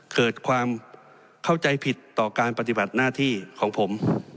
เกิดความเข้าใจผิดต่อการปฏิบัติหน้าที่ของผม